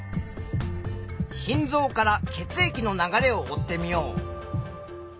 心臓から血液の流れを追ってみよう。